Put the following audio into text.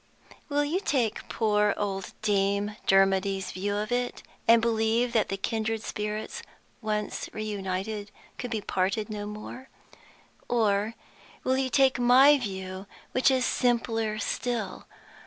Will you take poor old Dame Dermody's view of it, and believe that the kindred spirits, once reunited, could be parted no more? Or will you take my view, which is simpler still?